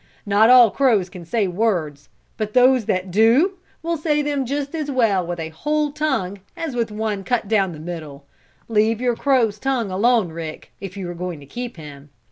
Not all crows can say words, but those that do, will say them just as well with a whole tongue as with one cut down the middle. Leave your crow's tongue alone, Rick, if you are going to keep him."